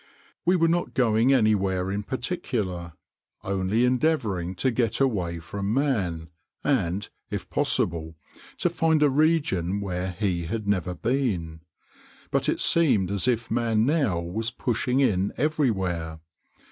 We were not going anywhere in particular: only endeavouring to get away from man, and, if possible, to find a region where he had never been. But it seemed as if man now was pushing in everywhere.